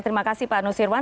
terima kasih pak anu sirwan